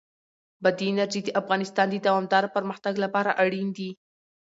بادي انرژي د افغانستان د دوامداره پرمختګ لپاره اړین دي.